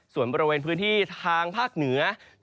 ส่วนบริเวณพื้นที่ทางภาคเหนือ